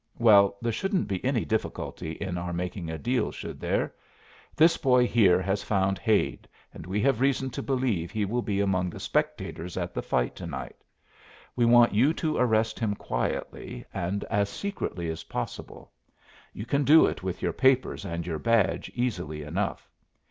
Well, there shouldn't be any difficulty in our making a deal, should there? This boy here has found Hade, and we have reason to believe he will be among the spectators at the fight to night. We want you to arrest him quietly, and as secretly as possible. You can do it with your papers and your badge easily enough.